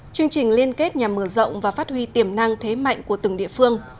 chương trình liên kết nhằm mở rộng và phát huy tiềm năng thế mạnh của từng địa phương